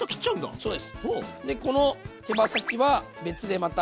そうです。